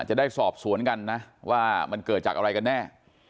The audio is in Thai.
จะได้สอบสวนกันนะว่ามันเกิดจากอะไรกันแน่